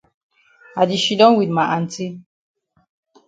I di shidon wit ma aunty.